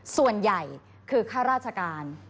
ส่วนใหญ่คือข้าราชการ